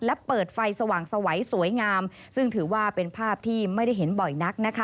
และเปิดไฟสว่างสวัยสวยงามซึ่งถือว่าเป็นภาพที่ไม่ได้เห็นบ่อยนักนะคะ